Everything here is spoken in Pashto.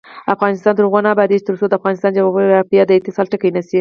افغانستان تر هغو نه ابادیږي، ترڅو د افغانستان جغرافیه د اتصال ټکی نشي.